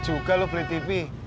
jadi juga lo beli tv